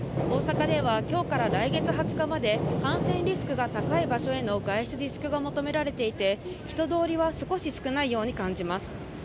大阪ではきょうから来月２０日まで、感染リスクが高い場所への外出自粛が求められていて、人通りは少し少ないように感じます。